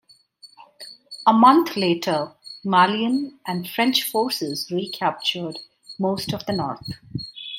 A month later, Malian and French forces recaptured most of the north.